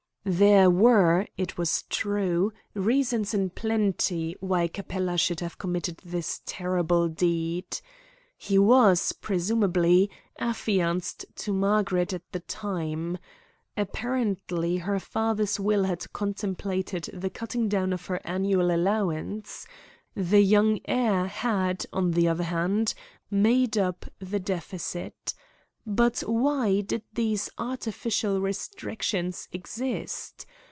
There were, it was true, reasons in plenty, why Capella should have committed this terrible deed. He was, presumably, affianced to Margaret at the time. Apparently her father's will had contemplated the cutting down of her annual allowance. The young heir had, on the other hand, made up the deficit. But why did these artificial restrictions exist?